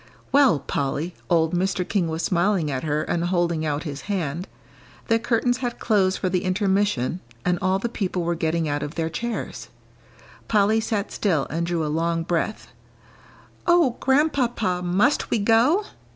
"Well, Polly." Old Mr. King was smiling at her and holding out his hand. The curtains had closed for the intermission, and all the people were getting out of their chairs. Polly sat still and drew a long breath. "Oh, Grandpapa, must we go?"